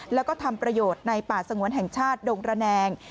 แล้วก็ทำประโยชน์ในป่าสงวนแห่งชาติดงระแนง